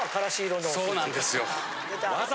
そうなんですよ。